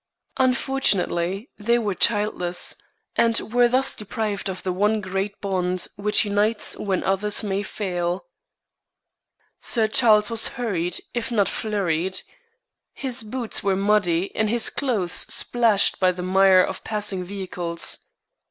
Unfortunately, they were childless, and were thus deprived of the one great bond which unites when others may fail. Sir Charles was hurried, if not flurried. His boots were muddy and his clothes splashed by the mire of passing vehicles.